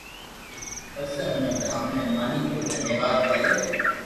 پسي اوڻي براھمڻ اي مالڪ رو دھنيواد ڪريو